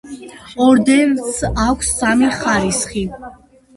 ორდენს აქვს სამი ხარისხი.